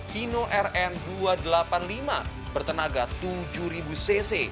kino rn dua ratus delapan puluh lima bertenaga tujuh cc